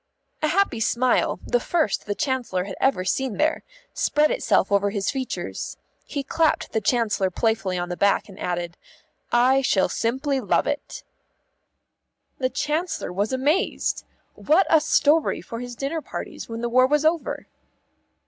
A happy smile, the first the Chancellor had ever seen there, spread itself over his features. He clapped the Chancellor playfully on the back and added, "I shall simply love it." The Chancellor was amazed. What a story for his dinner parties when the war was over!